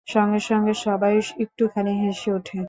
সঙ্গে সঙ্গে সবাই একটুখানি হেসে ওঠে।